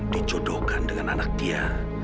dijodohkan dengan anak dia